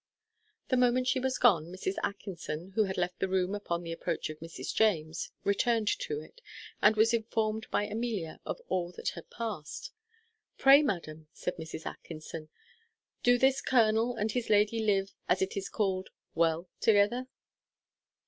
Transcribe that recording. The moment she was gone Mrs. Atkinson, who had left the room upon the approach of Mrs. James, returned into it, and was informed by Amelia of all that had past. "Pray, madam," said Mrs. Atkinson, "do this colonel and his lady live, as it is called, well together?"